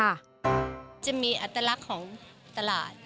จะมีอัตลักษณ์ของตลาด